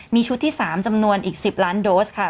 มีชุดที่๓จำนวนอีก๑๐ล้านโดสค่ะ